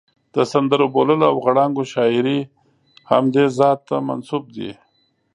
د سندرو، بوللو او غړانګو شاعري همدې ذات ته منسوب دي.